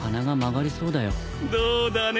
どうだね？